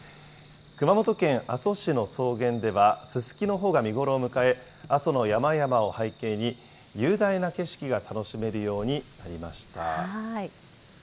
熊本県阿蘇市の草原では、ススキの穂が見頃を迎え、阿蘇の山々を背景に、雄大な景色が楽しめるようになりました。